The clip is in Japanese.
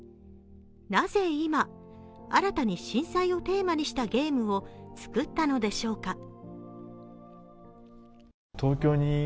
なぜ今、新たに震災をテーマにしたゲームを作ったのでしょうか。